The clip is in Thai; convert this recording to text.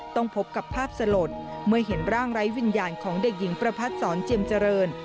พบกับภาพสลดเมื่อเห็นร่างไร้วิญญาณของเด็กหญิงประพัดศรเจียมเจริญ